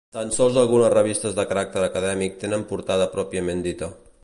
Tan sols algunes revistes de caràcter acadèmic tenen portada pròpiament dita.